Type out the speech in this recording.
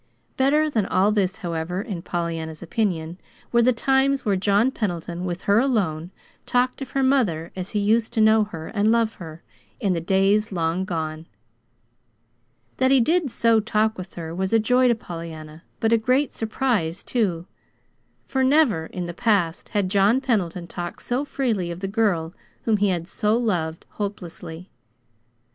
Better than all this, however, in Pollyanna's opinion, were the times when John Pendleton, with her alone, talked of her mother as he used to know her and love her, in the days long gone. That he did so talk with her was a joy to Pollyanna, but a great surprise, too; for, never in the past, had John Pendleton talked so freely of the girl whom he had so loved hopelessly.